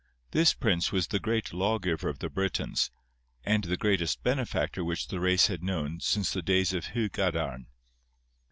This prince was the great lawgiver of the Britons, and the greatest benefactor which the race had known since the days of Hu Gadarn.